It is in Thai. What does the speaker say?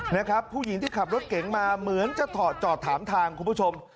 นะครับผู้หญิงที่ขับรถเก๋งมาเหมือนจะถอดจอดถามทางคุณผู้ชม